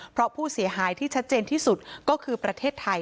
เพราะผู้เสียหายที่ชัดเจนที่สุดก็คือประเทศไทย